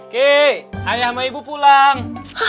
kek ayah sama ibu pulang